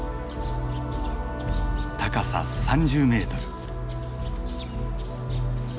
高さ３０メートル。